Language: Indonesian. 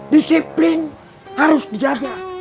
disiplin harus dijaga